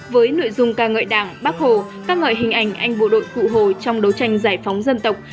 với nội dung ca ngợi đảng bác hồ ca ngợi hình ảnh anh bộ đội cụ hồ trong đấu tranh giải phóng dân tộc